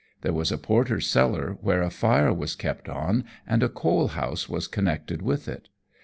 There was a porter's cellar where a fire was kept on and a coal house was connected with it.